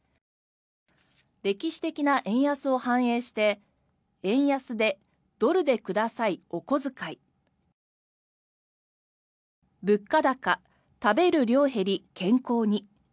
歴史的な円安を反映して「円安でドルでくださいおこづかい」「物価高食べる量減り健康に」